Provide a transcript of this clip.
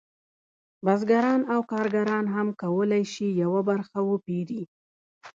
بزګران او کارګران هم کولی شي یوه برخه وپېري